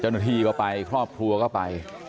จันทีเข้าไปครอบครัวเข้าไป